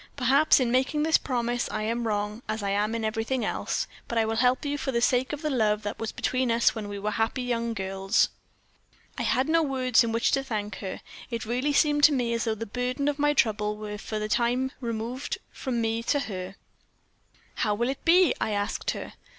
Perhaps, in making this promise, I am wrong, as I am in everything else; but I will help you for the sake of the love that was between us when we were happy young girls.' "I had no words in which to thank her; it really seemed to me as though the burden of my trouble were for the time removed from me to her. "'How will it be?' I asked her.